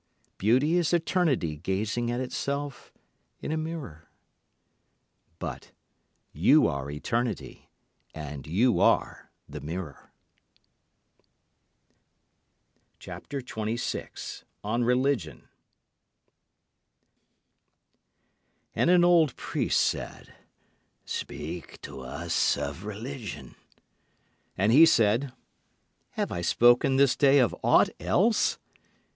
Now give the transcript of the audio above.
Beauty is eternity gazing at itself in a mirror. But you are eternity and you are the mirror. And an old priest said, Speak to us of Religion. And he said: Have I spoken this day of aught else?